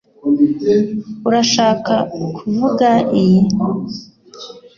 urashaka kuvuga iyi